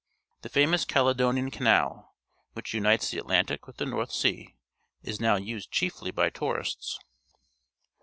The famous Caledonian Ca nal, which unites the Atlantic with the North Sea, is now used chiefly by tourists.